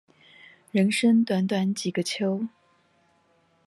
人生短短幾個秋